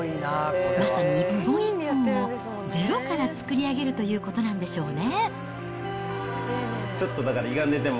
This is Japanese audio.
まさに一本一本をゼロから作り上げるということなんでしょうね。